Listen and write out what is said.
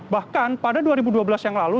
bahkan pada dua ribu dua belas yang lalu